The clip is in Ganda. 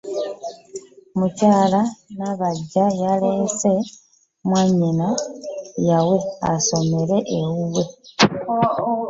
Mukyala Nabbanja yaleese mwannyina Yawe asomere ewuwe.